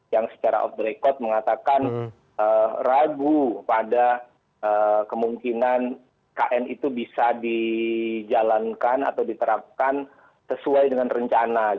yang secara off the record mengatakan ragu pada kemungkinan kn itu bisa dijalankan atau diterapkan sesuai dengan rencana